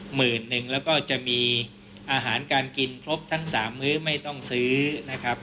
หมื่นหนึ่งแล้วก็จะมีอาหารการกินครบทั้ง๓มื้อไม่ต้องซื้อนะครับ